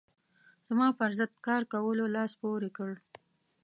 زما پر ضد کار کولو لاس پورې کړ.